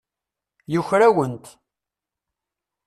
Yuker-awent.